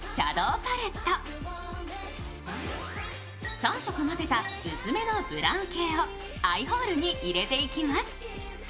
３色混ぜた薄めのブラウン系をアイホールに入れていきます。